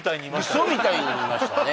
ウソみたいにいましたね